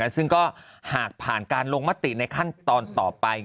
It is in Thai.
ซึ่งก็หากผ่านการลงมติในขั้นตอนต่อไป